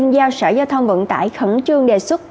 giao sở giao thông vận tải khẩn trương đề xuất